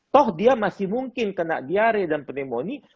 toh dia masih mungkin kena diare dan pneumonia